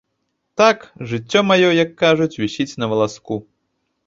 Так, жыццё маё, як кажуць, вісіць на валаску.